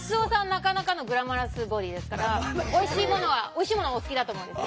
なかなかのグラマラスボディーですからおいしいものはお好きだと思うんです。